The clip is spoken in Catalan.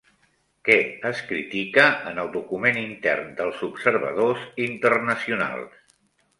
Què es critica en el document intern dels observadors internacionals?